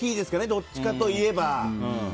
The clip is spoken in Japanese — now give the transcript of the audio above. どっちかといえば。